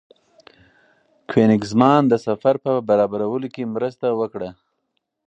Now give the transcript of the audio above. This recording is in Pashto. کوېنیګزمان د سفر په برابرولو کې مرسته وکړه.